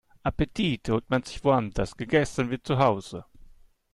Appetit holt man sich woanders, gegessen wird zu Hause.